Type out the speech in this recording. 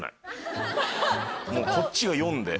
こっちが読んで。